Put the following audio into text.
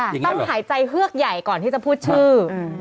ต้องหายใจเฮือกใหญ่ก่อนที่จะพูดชื่อ